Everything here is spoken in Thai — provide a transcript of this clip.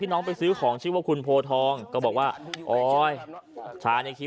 ที่น้องไปซื้อของชื่อว่าคุณโภธองก็บอกว่าอดชายนี่คือ